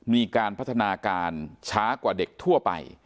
มีการพัฒนาการช้ากว่าเด็กทั่วไป